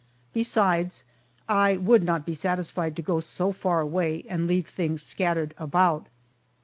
Besides, I would not be satisfied to go so far away and leave things scattered about.